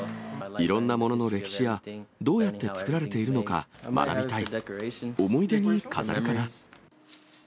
いろんなものの歴史や、どうやって作られているのか学びたい。